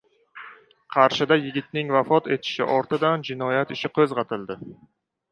Qarshida yigitning vafot etishi ortidan jinoyat ishi qo‘zg‘atildi